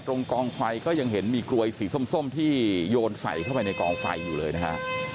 กองไฟก็ยังเห็นมีกลวยสีส้มที่โยนใส่เข้าไปในกองไฟอยู่เลยนะฮะ